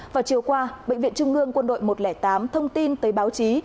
vào chiều qua bệnh viện trung ương quân đội một trăm linh tám thông tin tới báo chí